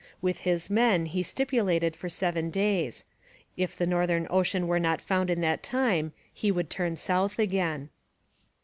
With his men he stipulated for seven days; if the northern ocean were not found in that time he would turn south again.